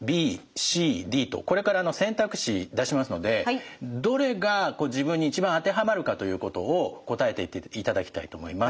これから選択肢出しますのでどれが自分に一番当てはまるかということを答えていっていただきたいと思います。